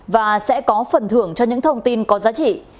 và sẽ có phần thưởng cho những thông tin có giá trị